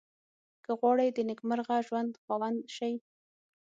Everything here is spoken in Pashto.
که غواړئ د نېکمرغه ژوند خاوند شئ.